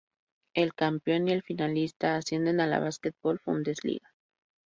El campeón y el finalista ascienden a la Basketball-Bundesliga.